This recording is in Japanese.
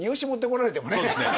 そうですね。